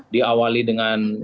di awali dengan